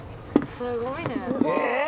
すごいね。